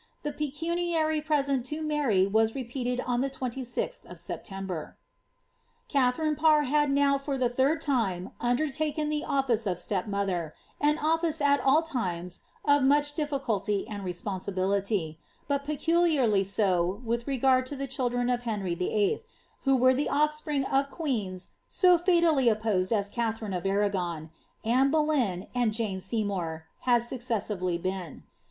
The pecuniary present to Mary was repeated ^ Ae 26di of September.* Katharine Parr had now for the third time undnrtakcn tlie office of a rj*l^niother — an office at all times of much diffindty and responsibility, y^ peculiarly so with regard to the children of Henry VIII., who were 2* ^fipring of queens so fatally opposed as Katharine of Arnigon, Anne ^^^•n,and Jane Seymour, had successively been.